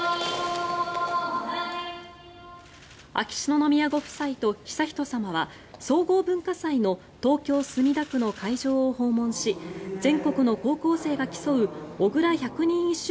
秋篠宮ご夫妻と悠仁さまは総合文化祭の東京・墨田区の会場を訪問し全国の高校生が競う小倉百人一首